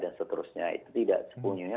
dan seterusnya itu tidak sepenuhnya